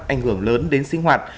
ảnh hưởng lớn đến sinh hoạt